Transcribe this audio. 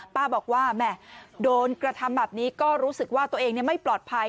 ป้าบอกว่าแหม่โดนกระทำแบบนี้ก็รู้สึกว่าตัวเองไม่ปลอดภัย